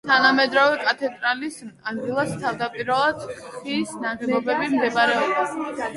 თანამედროვე კათედრალის ადგილას თავდაპირველად ხის ნაგებობები მდებარეობდა.